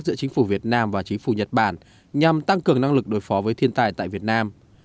giữa chính phủ việt nam và chính phủ nhật bản nhằm tăng cường năng lực đối phó với thiên tai tại việt nam